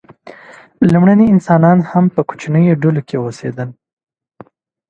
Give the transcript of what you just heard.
لومړني انسانان هم په کوچنیو ډلو کې اوسېدل.